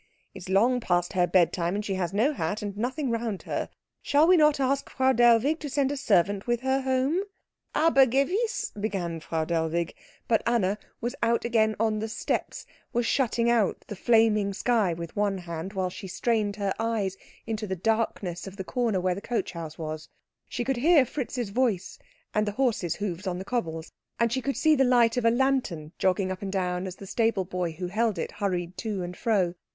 "It is long past her bedtime, and she has no hat, and nothing round her. Shall we not ask Frau Dellwig to send a servant with her home?" "Aber gewiss " began Frau Dellwig. But Anna was out again on the steps, was shutting out the flaming sky with one hand while she strained her eyes into the darkness of the corner where the coach house was. She could hear Fritz's voice, and the horses' hoofs on the cobbles, and she could see the light of a lantern jogging up and down as the stable boy who held it hurried to and fro.